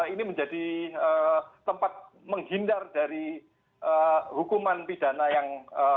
ini menjadi tempat menghindar dari hukuman pidana yang